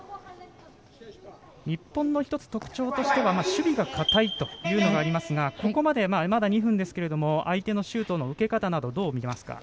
日本の１つ特徴としては守備が堅いというのがありますがここまで相手のシュートの受け方など、どう見ていますか？